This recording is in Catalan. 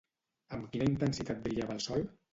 Amb quina intensitat brillava el sol?